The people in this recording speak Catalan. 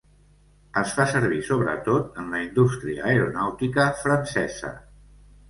Es fa servir sobretot en la indústria aeronàutica francesa.